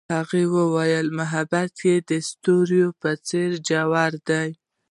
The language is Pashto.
هغې وویل محبت یې د ستوري په څېر ژور دی.